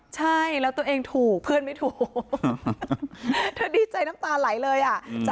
ใช่แล้วตัวเองถูกเพื่อนไม่ถูกเธอดีใจน้ำตาไหลเลยอ่ะ